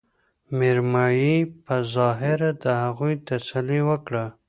مېرمايي په ظاهره د هغوي تسلې وکړه